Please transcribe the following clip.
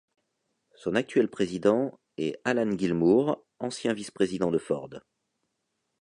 Son actuel président est Allan Gilmour, ancien vice-président de Ford.